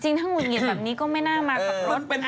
จริงถ้าหงุดหงิดแบบนี้ก็ไม่น่ามากับรถเป็นอาชีพนี้นะ